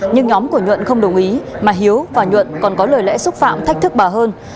nhưng nhóm của nhuận không đồng ý mà hiếu và nhuận còn có lời lẽ xúc phạm thách thức bà hơn